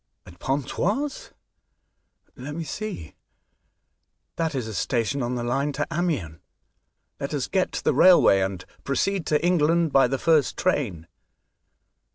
" At Pontoise ? Let me see ; that is a station on the line to Amiens. Let us get to the railway, and proceed to England by the first train."